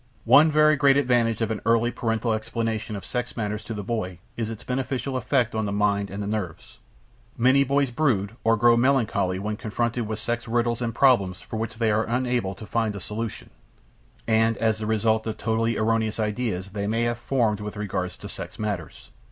One very great advantage of an early paternal explanation of sex matters to the boy is its beneficial effect on the mind and the nerves. Many boys brood or grow melancholy when confronted with sex riddles and problems for which they are unable to find a solution; and as the result of totally erroneous ideas they may have formed with regard to sex matters.